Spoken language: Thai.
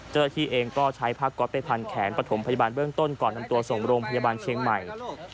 เจ้าหน้าที่เองก็ใช้ผ้าก๊อตไปพันแขนปฐมพยาบาลเบื้องต้นก่อนนำตัวส่งโรงพยาบาลเชียงใหม่